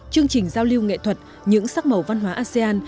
chương trình giao lưu nghệ thuật những sắc màu văn hóa asean